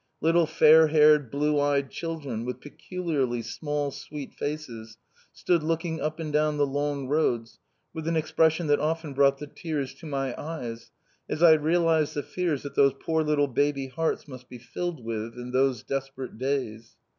Little fair haired, blue eyed children, with peculiarly small, sweet faces, stood looking up and down the long roads with an expression that often brought the tears to my eyes as I realised the fears that those poor little baby hearts must be filled with in those desperate days.